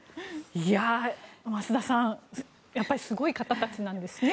増田さん、やっぱりすごい方たちなんですね。